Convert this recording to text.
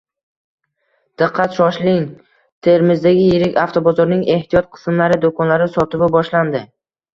Diqqat, shoshiling! Termizdagi yirik avtobozorning ehtiyot qismlari do‘konlari sotuvi boshlandi